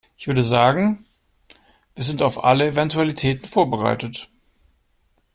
Ich würde sagen, wir sind auf alle Eventualitäten vorbereitet.